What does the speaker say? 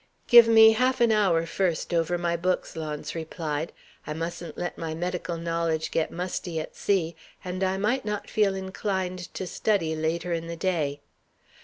"Give me half an hour first over my books," Launce replied. "I mustn't let my medical knowledge get musty at sea, and I might not feel inclined to study later in the day."